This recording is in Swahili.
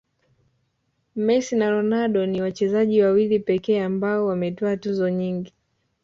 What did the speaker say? messi na ronaldo ni wachezaji wawili pekee ambao wametwaa tuzo nyingi